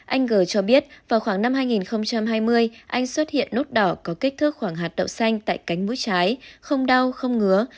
anh g cho biết vào khoảng năm hai nghìn hai mươi anh xuất hiện nốt đỏ có kích thước khoảng hạt đậu xanh tại cánh mũi trái không đau không ngứa